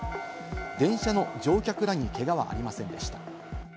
電車の乗客らにけがはありませんでした。